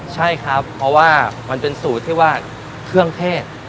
ใช่ครับเพราะว่ามันเป็นสูตรที่ว่าเครื่องเทศ